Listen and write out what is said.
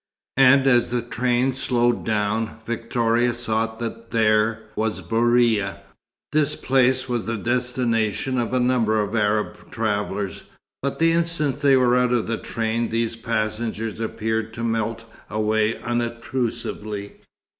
And as the train slowed down, Victoria saw that "there" was Bouira. This place was the destination of a number of Arab travellers, but the instant they were out of the train, these passengers appeared to melt away unobtrusively.